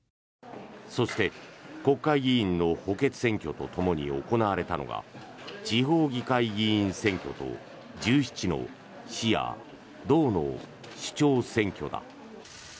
そして、国会議員の補欠選挙とともに行われたのが地方議会議員選挙と１７の市や道の首長選挙だ。